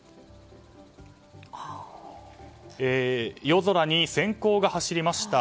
夜空に閃光が走りました。